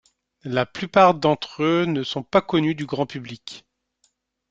La plupart d'entre eux ne sont pas connus du grand public.